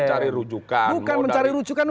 mencari rujukan bukan mencari rujukan